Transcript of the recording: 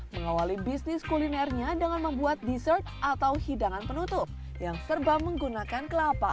mengawali bisnis kulinernya dengan membuat dessert atau hidangan penutup yang serba menggunakan kelapa